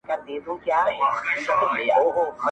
ژوند لا تر اوسه پورې نه دی تمام